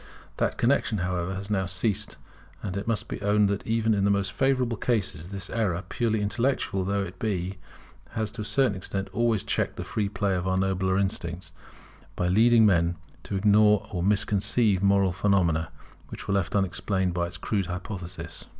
That connexion, however, has now ceased; and it must be owned that even in the most favourable cases this error, purely intellectual though it be, has to a certain extent always checked the free play of our nobler instincts, by leading men to ignore or misconceive moral phenomena, which were left unexplained by its crude hypothesis.